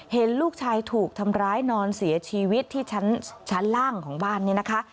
เห็นลูกชายถูกทำร้ายนอนเสียชีวิตที่ชั้นล่างของบ้านนี้นะคะ